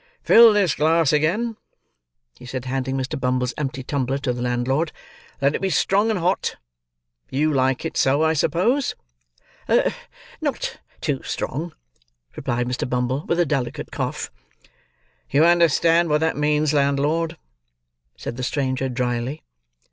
"Fill this glass again," he said, handing Mr. Bumble's empty tumbler to the landlord. "Let it be strong and hot. You like it so, I suppose?" "Not too strong," replied Mr. Bumble, with a delicate cough. "You understand what that means, landlord!" said the stranger, drily.